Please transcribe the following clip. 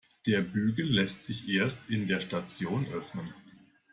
Der Bügel lässt sich erst in der Station öffnen.